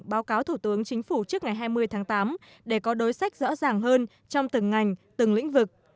báo cáo thủ tướng chính phủ trước ngày hai mươi tháng tám để có đối sách rõ ràng hơn trong từng ngành từng lĩnh vực